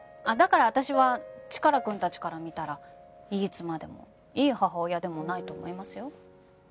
だから私はチカラくんたちから見たらいい妻でもいい母親でもないと思いますよ。